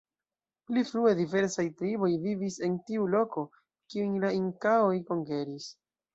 Pli frue diversaj triboj vivis en tiu loko, kiujn la inkaoj konkeris.